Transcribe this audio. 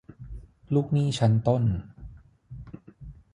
ลูกหนี้ชั้นต้น